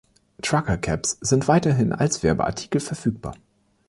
Trucker Caps sind weiterhin als Werbeartikel verfügbar.